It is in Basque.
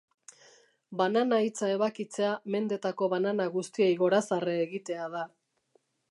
Banana hitza ebakitzea mendetako banana guztiei gorazarre egitea da.